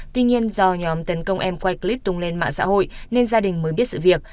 tuy nhiên do nhóm tấn công em quay clip tung lên mạng xã hội nên gia đình mới biết sự việc